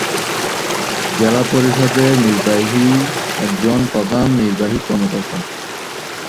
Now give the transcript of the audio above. জেলা পরিষদের নির্বাহী একজন প্রধান নির্বাহী কর্মকর্তা।